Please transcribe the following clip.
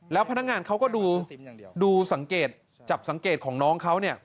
แล้วพนักงานเขาก็ดูสังเกตจับสังเกตของน้องเขาเนี่ย